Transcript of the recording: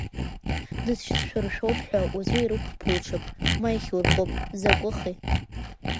Дызшьыз шәара шәоуп ҳәа уаҵәы ирықәԥуҽып, ма иахьурхәып, закәыхи!